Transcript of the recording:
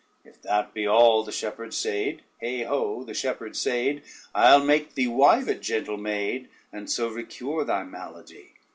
"If that be all," the shepherd said, heigh ho, the shepherd said! "Ile make thee wive it gentle maid, and so recure thy malady."